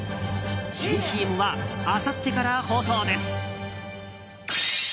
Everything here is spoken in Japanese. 新ＣＭは、あさってから放送です。